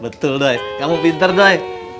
betul doi kamu pinter doi